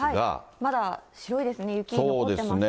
まだ白いですね、雪残ってますね。